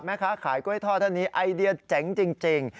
แม่ค้าขายกล้วยทอดท่านนี้ไอเดียเจ๋งจริง